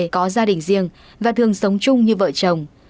có gia đình riêng và thường sống chung như vợ chồng